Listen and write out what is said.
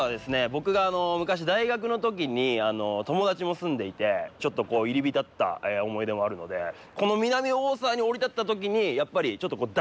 僕が昔大学の時に友達も住んでいてちょっとこう入り浸った思い出もあるのでこの南大沢に降り立った時にやっぱり大学生に戻った気分。